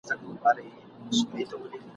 چي بنده سي څوک د مځکي د خدایانو ..